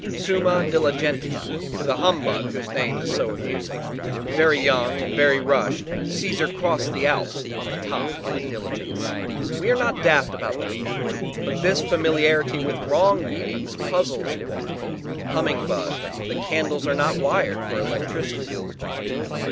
Summa diligentia; to the humbug, whose name is so amusing very young and ve ry rushed, Caesar crossed the Alps on the "top of a diligence." We are not daft about the meaning but this familiarity with wrong meanings puzzles one. Humming bug, the candles are not wired for electricity.